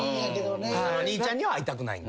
兄ちゃんには会いたくないんだ。